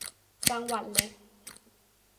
จังหวัดเล็ก